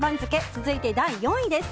続いて第４位です。